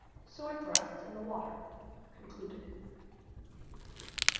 Sword Thrusts in the Water (concluded).